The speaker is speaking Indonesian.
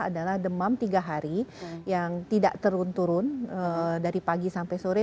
adalah demam tiga hari yang tidak turun turun dari pagi sampai sore